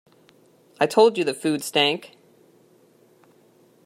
I told you the food stank.